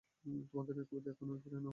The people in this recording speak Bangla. তোমার এ কবিতা এখনই ফিরিয়ে নাও।